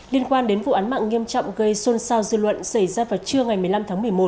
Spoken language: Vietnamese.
liên quan đến vụ án mạng nghiêm trọng gây xôn xao dư luận xảy ra vào trưa ngày một mươi năm tháng một mươi một